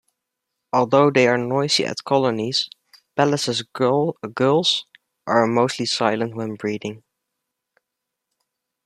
Although they are noisy at colonies, Pallas's gulls are mostly silent when breeding.